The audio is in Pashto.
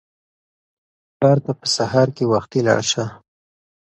کار ته په سهار کې وختي لاړ شه.